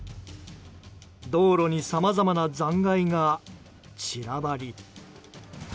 道路にさまざまな残骸が散らばり。